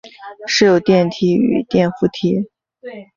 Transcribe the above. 设有电梯与电扶梯。